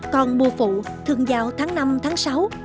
còn mua phụ thường vào tháng năm sáu